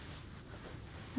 何？